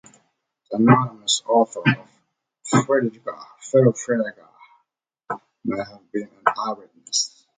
The anonymous author of "Fredegar" may have been an eyewitness.